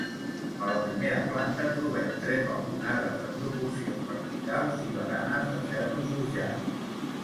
A la primera planta trobem tres balconades de proporcions verticals i baranes de ferro forjat.